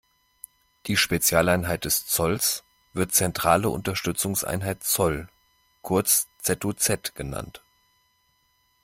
Die Spezialeinheit des Zolls wird zentrale Unterstützungseinheit Zoll, kurz Z-U-Z, genannt.